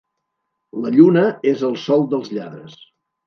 La lluna és el sol dels lladres.